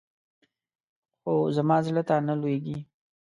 خو زما زړه ته نه لوېږي.